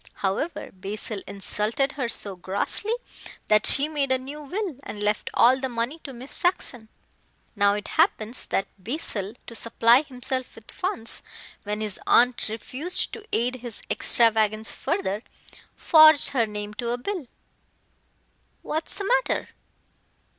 However, Basil insulted her so grossly that she made a new will and left all the money to Miss Saxon. Now it happens that Basil, to supply himself with funds, when his aunt refused to aid his extravagance further, forged her name to a bill What's the matter?"